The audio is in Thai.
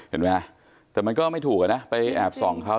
เห็นไหมแต่มันก็ไม่ถูกอะนะไปแอบส่องเขา